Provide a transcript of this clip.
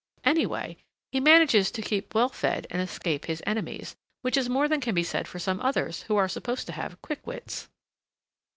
Anyway, he manages to keep well fed and escape his enemies, which is more than can be said for some others who are supposed to have quick wits."